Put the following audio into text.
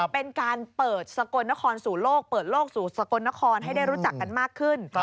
เป็นการเปิดสกลนครสู่โลกเปิดโลกสู่สกลนครให้ได้รู้จักกันมากขึ้น